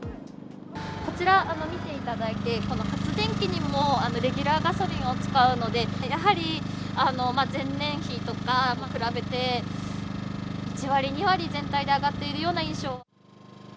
こちら見ていただいて、この発電機にも、レギュラーガソリンを使うので、やはり前年比とか、比べて、１割、２割、全体で上がっているような印象。